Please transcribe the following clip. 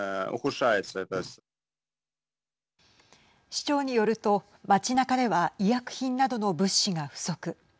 市長によると街なかでは医薬品などの物資が不足。